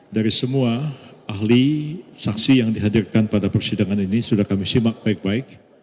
dari semua ahli saksi yang dihadirkan pada persidangan ini sudah kami simak baik baik